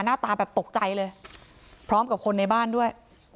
หน้าตาแบบตกใจเลยพร้อมกับคนในบ้านด้วย